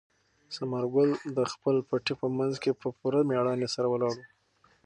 ثمر ګل د خپل پټي په منځ کې په پوره مېړانې سره ولاړ و.